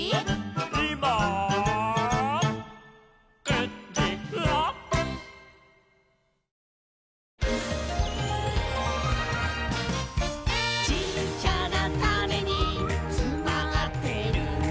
「いまー９じら」「ちっちゃなタネにつまってるんだ」